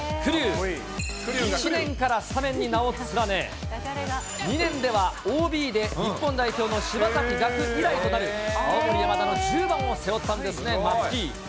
１年からスタメンに名を連ね、２年ではＯＢで日本代表の柴崎がく以来となる、青森山田の１０番を背負ったんですね、松木。